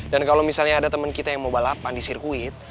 dan kalo misalnya ada temen kita yang mau balapan di sirkuit